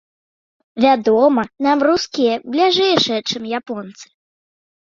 Вядома, нам рускія бліжэйшыя, чым японцы.